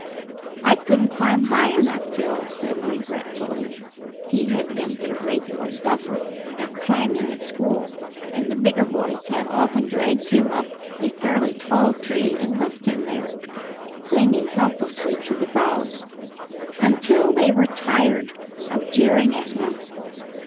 "I couldn't climb high enough!" Phil said regretfully. He had been "a regular duffer" at climbing at school, and the bigger boys had often dragged him up a fairly tall tree and left him there, clinging helplessly to the boughs, until they were tired of jeering at him.